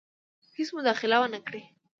هیڅ مداخله ونه کړي.